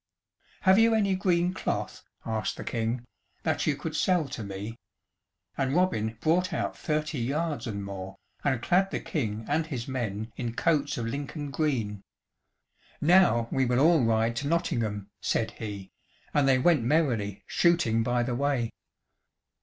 "Have you any green cloth," asked the King, "that you could sell to me?" and Robin brought out thirty yards and more, and clad the King and his men in coats of Lincoln green. "Now we will all ride to Nottingham," said he, and they went merrily, shooting by the way.